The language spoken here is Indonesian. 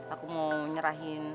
aku mau nyerahin